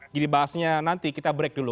jadi bahasnya nanti kita break dulu